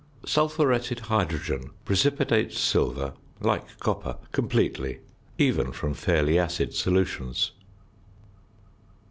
Sulphuretted hydrogen precipitates silver (like copper), completely, even from fairly acid solutions.